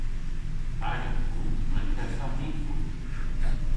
Aga foynt yw an keth ha hy foynt.